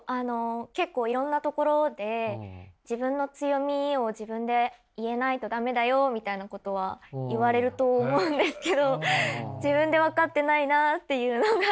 結構いろんなところで自分の強みを自分で言えないと駄目だよみたいなことは言われると思うんですけど自分で分かってないなっていうのがずっと悩みで。